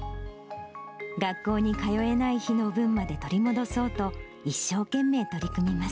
学校に通えない日の分まで取り戻そうと、一生懸命取り組みます。